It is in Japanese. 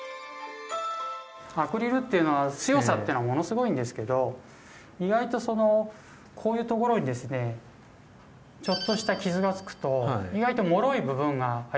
アクリルっていうのは強さっていうのはものすごいんですけど意外とそのこういうところにですねちょっとした傷がつくと意外ともろい部分がありましてね。